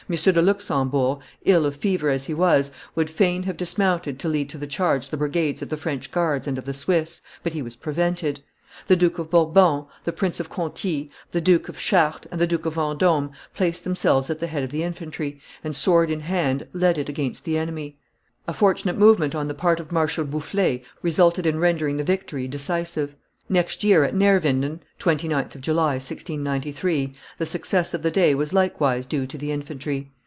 de Luxembourg, ill of fever as he was, would fain have dismounted to lead to the charge the brigades of the French guards and of the Swiss, but he was prevented; the Duke of Bourbon, the Prince of Conti, the Duke of Chartres, and the Duke of Vendome, placed themselves at the head of the infantry, and, sword in hand, led it against the enemy; a fortunate movement on the part of Marshal Boufflers resulted in rendering the victory decisive. Next year at Neerwinden (29th of July, 1693) the success of the day was likewise due to the infantry.